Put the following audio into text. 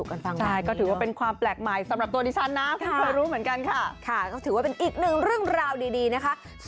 ค่ะถือว่าเป็นอีกหนึ่งเรื่องราวดีนะคะ